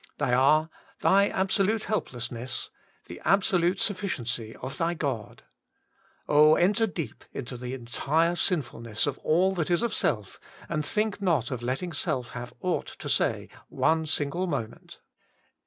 They are : thy absolute helplessness; the absolute suffi ciency of thy God. Oh! enter deep into the entire sinfulness of all that is of self, and think not of letting self have aught to say one single moment.